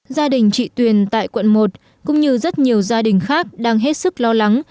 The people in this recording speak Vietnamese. gia đình trị tuyển tại quận một cũng như rất nhiều gia đình khác đang hết sức lo lắng